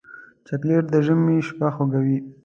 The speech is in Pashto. چاکلېټ د ژمي شپه خوږوي.